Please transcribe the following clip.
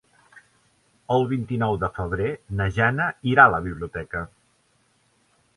El vint-i-nou de febrer na Jana irà a la biblioteca.